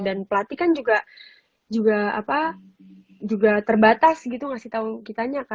dan pelatih kan juga terbatas gitu ngasih tahu kitanya kan